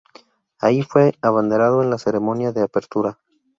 Allí fue abanderado en la ceremonia de apertura.